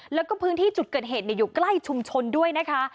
แล้วก็พื้นที่จุดเกิดเหตุอยู่ใกล้ชุมชนด้วยนะคะ